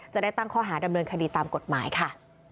จะได้ตั้งข้อหาดำเนินคดีตามกฎหมายค่ะ